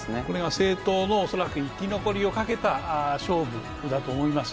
政党の生き残りをかけた勝負になると思います。